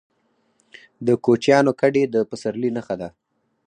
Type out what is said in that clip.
د کوچیانو کډې د پسرلي نښه ده.